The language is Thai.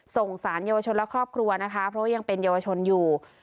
ส่งสารเยาวชนและครอบครัวนะคะเพราะว่ายังเป็นเยาวชนอยู่